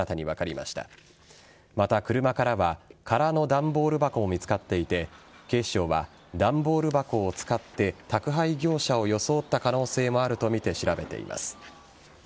また、車からは空の段ボール箱も見つかっていて警視庁は段ボール箱を使って宅配業者を装った可能性もあるとみて調べています。